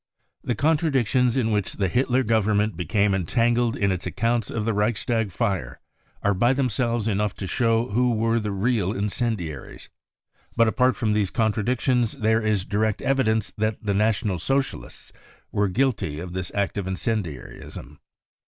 The contradictions in which the Hitler Government became entangled in its accounts of the Reichstag fire are by themselves enough to show who were the real incendiaries. But apart from these contradictions there is direct evidence that the National Socialists were guilty of this act of incendiarism.